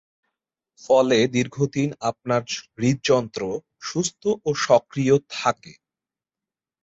ফলে দীর্ঘদিন আপনার হৃদযন্ত্র সুস্থ ও সক্রিয় থাকে।